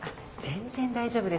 全然大丈夫です。